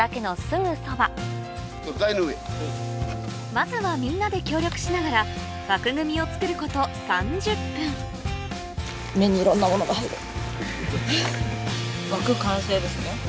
まずはみんなで協力しながら枠組みを作ること３０分枠完成です。